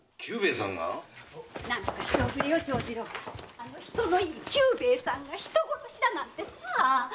あの人のいい久兵衛さんが人殺しだなんてさあ！